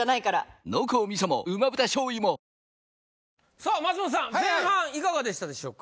さあ松本さん！前半いかがでしたでしょうか？